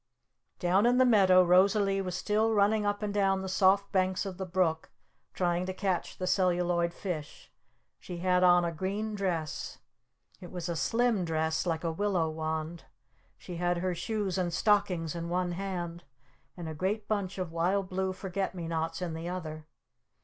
Down in the meadow Rosalee was still running up and down the soft banks of the brook trying to catch the Celluloid Fish. She had on a green dress. It was a slim dress like a willow wand. She had her shoes and stockings in one hand. And a great bunch of wild blue Forget me Nots in the other.